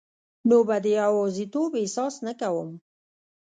نو به د یوازیتوب احساس نه کوم